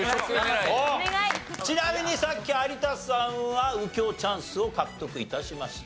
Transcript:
ちなみにさっき有田さんは右京チャンスを獲得致しました。